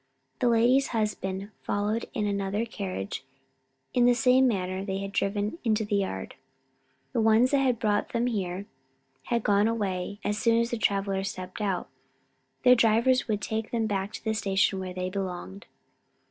The lady's husband followed in another carriage in the same manner they had driven into the yard. The ones that had brought them here had gone away as soon as the travellers stepped out. Their drivers would take them back to the station where they belonged.